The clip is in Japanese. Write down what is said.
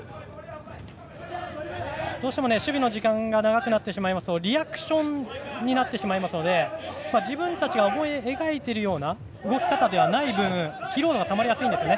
どうしても守備の時間が長くなってしまいますとリアクションになるので自分たちが思い描くような動き方ではない分疲労がたまりやすいんですね。